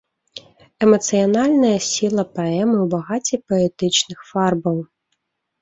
Эмацыянальная сіла паэмы ў багацці паэтычных фарбаў.